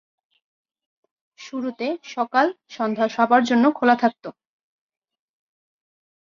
শুরুতে সকাল-সন্ধ্যা সবার জন্য খোলা থাকত।